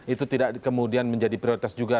itu tidak kemudian menjadi prioritas juga